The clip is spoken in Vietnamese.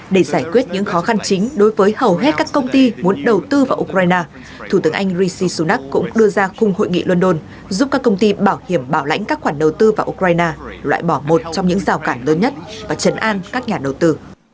để giải quyết những khó khăn chính đối với hầu hết các công ty muốn đầu tư vào ukraine thủ tướng anh rishi sunak cũng đưa ra khung hội nghị london giúp các công ty bảo hiểm bảo lãnh các khoản đầu tư vào ukraine loại bỏ một trong những rào cản lớn nhất và chấn an các nhà đầu tư